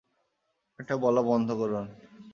এটা বলা বন্ধ করুন।